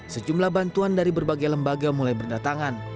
sejumlah bantuan dari berbagai lembaga mulai berdatangan